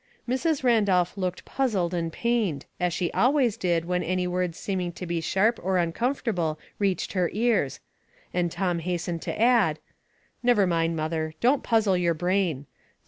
'* Mrs. Randolph looked puzzled and pained, as she always did when any words seeming to be sharp or uncomfortable reached her ears; and Tom hastened to add, —" Never mind, mother ; don't puzzle your brain.